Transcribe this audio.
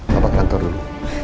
papa kantor dulu